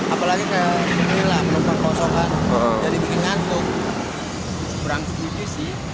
apalagi kayak tilang merokok sokak jadi bikin ngantuk